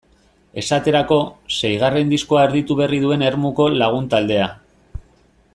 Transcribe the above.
Esaterako, seigarren diskoa erditu berri duen Ermuko lagun taldea.